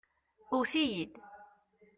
Ewwet-iyi-d.